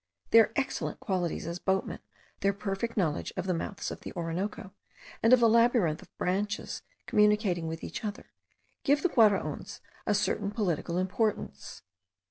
Their excellent qualities as boatmen, their perfect knowledge of the mouths of the Orinoco, and of the labyrinth of branches communicating with each other, give the Guaraons a certain political importance.